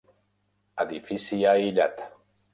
Edifici aïllat.